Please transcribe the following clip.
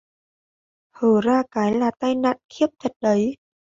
hở ra cái là tai nạn khiếp thật đấy